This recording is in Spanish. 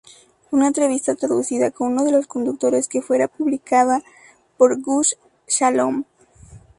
Una entrevista traducida con uno de los conductores que fuera publicada por Gush Shalom.